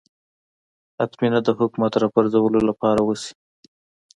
حتمي نه ده حکومت راپرځولو لپاره وشي